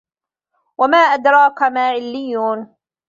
وَما أَدراكَ ما عِلِّيّونَ